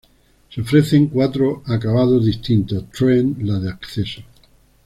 Se ofrecen cuatro acabados distintos, "Trend", la de acceso.